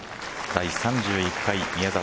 第３１回、宮里藍